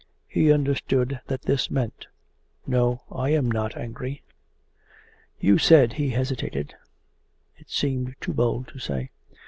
He understood that this meant: 'No, I am not angry.' 'You said...' He hesitated. It seemed too bold to say.